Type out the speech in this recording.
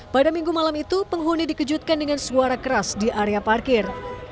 pada minggu malam itu penghuni dikejutkan dengan suara keras di area parkir